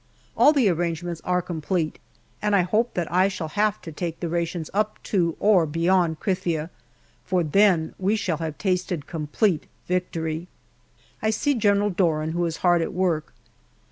All the arrangements are complete, and I hope that I shall have to take the rations up to or beyond Krithia, for then we shall have tasted complete victory. I see General Doran, who is hard at work.